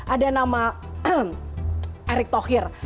ada nama erik thohir